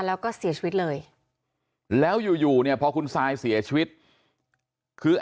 แล้วก็เสียชีวิตเลยแล้วอยู่อยู่เนี่ยพอคุณซายเสียชีวิตคือ